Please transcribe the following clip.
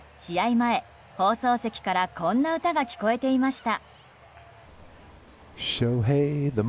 前、放送席からこんな歌が聞こえていました。